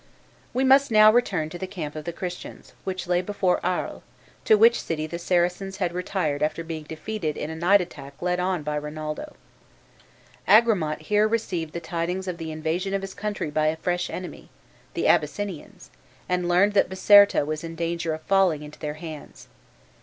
We must now return to the camp of the Christians, which lay before Arles, to which city the Saracens had retired after being defeated in a night attack led on by Rinaldo. Agramant here received the tidings of the invasion of his country by a fresh enemy, the Abyssinians, and learned that Biserta was in danger of falling into their hands.